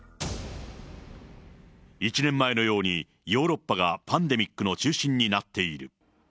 １年前のようにヨーロッパがパンデミックの中心になっている。